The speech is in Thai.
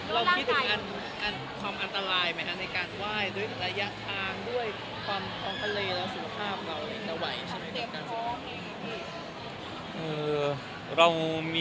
เราคิดถึงความอันตรายไหมครับในการไหว้ด้วยระยะทางด้วยความทรงทะเลและสุขภาพเรา